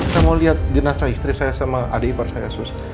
saya mau lihat jenazah istri saya sama adik ipar saya sus